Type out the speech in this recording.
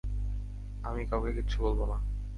আমি কাউকে কিচ্ছু বলবো না।